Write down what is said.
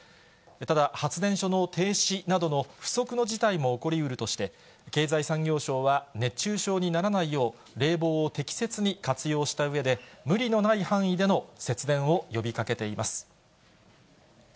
ただ、発電所の停止などの不測の事態も起こりうるとして、経済産業省は熱中症にならないよう、冷房を適切に活用したうえで、無理のない範囲での節電を呼びかけています。